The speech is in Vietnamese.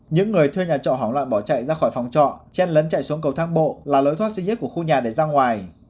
những người thuê nhà trọ bỏ chạy ra khỏi phòng trọ chen lấn chạy xuống cầu thang bộ là lối thoát duy nhất của khu nhà để ra ngoài